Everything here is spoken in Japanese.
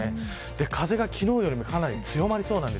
風が昨日よりもかなり強まりそうです。